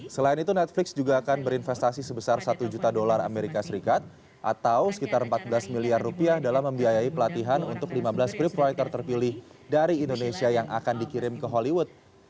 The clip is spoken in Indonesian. selain itu netflix juga akan berinvestasi sebesar satu juta dolar amerika serikat atau sekitar empat belas miliar rupiah dalam membiayai pelatihan untuk lima belas scrip proyektor terpilih dari indonesia yang akan dikirim ke hollywood